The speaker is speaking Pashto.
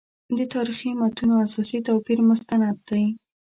د تاریخي متونو اساسي توپیر مستند دی.